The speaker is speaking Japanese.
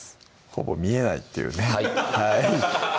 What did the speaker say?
ほぼ見えないっていうね